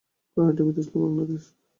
কারণ এটা বিদেশ নয়, বাংলাদেশ।